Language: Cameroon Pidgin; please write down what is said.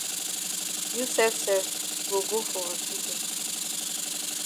You sef sef you go go for hospital.